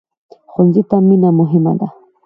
ښوونځی ته مینه مهمه ده